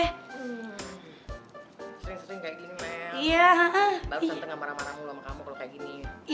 sering sering kayak gini mel